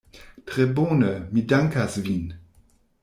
Tre bone, mi dankas vin.